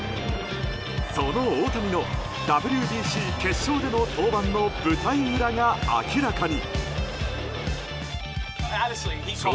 その大谷のＷＢＣ決勝での登板の舞台裏が明らかに。